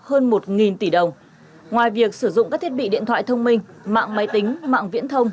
hơn một tỷ đồng ngoài việc sử dụng các thiết bị điện thoại thông minh mạng máy tính mạng viễn thông